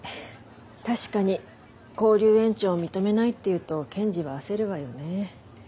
確かに勾留延長を認めないって言うと検事は焦るわよね。